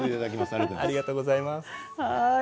ありがとうございます。